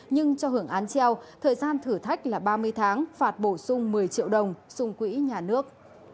nhưng cho hưởng án treo thời gian thử thách là ba mươi tháng phạt bổ sung một mươi triệu đồng xung quỹ nhà nước